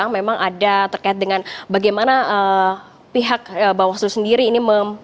memang ada terkait dengan bagaimana pihak bawaslu sendiri ini